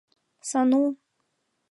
Сану!..